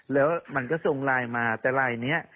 แล้วมันก็ส่งไลน์มาแต่ไลน์นี้